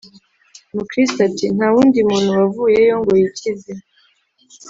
Mukristo ati: “Nta wundi muntu wavuyeyo ngo yikize